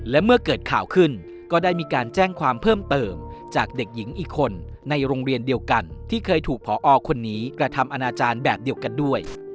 และเมื่อเกิดข่าวขึ้นก็ได้มีการแจ้งความเพิ่มเติมจากเด็กหญิงอีกคนในโรงเรียนเดียวกันที่เคยถูกพอคนนี้กระทำอนาจารย์แบบเดียวกันด้วย